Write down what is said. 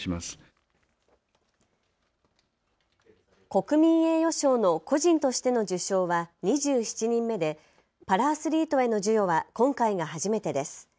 国民栄誉賞の個人としての受賞は２７人目で、パラアスリートへの授与は今回が初めてです。